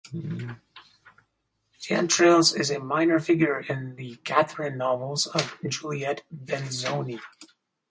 Xaintrailles is a minor figure in the "Catherine" novels of Juliette Benzoni.